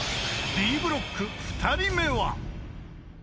［Ｄブロック２人目は］